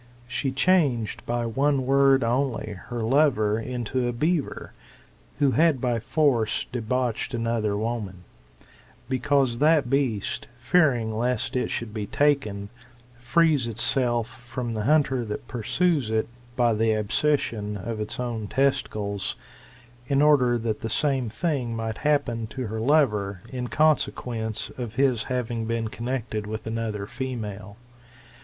She changed by one word only her lover into a beaver, who had by force debauched another woman; because that beast, fearing lest it should be taken, frees itself from the hunter that pursues it, by the abscission of its testicles; in order that the same thing might happen to her lover, in consequence of his having been connected with another female.